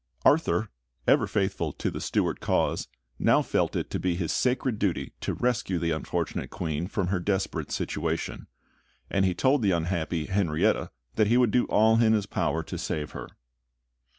Arthur, ever faithful to the Stuart cause, now felt it to be his sacred duty to rescue the unfortunate Queen from her desperate situation; and he told the unhappy Henrietta that he would do all in his power to save her.